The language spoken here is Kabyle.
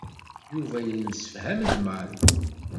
Yuba yemsefham d Mary.